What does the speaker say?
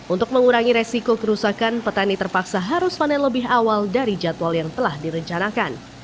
untuk mengurangi resiko kerusakan petani terpaksa harus panen lebih awal dari jadwal yang telah direncanakan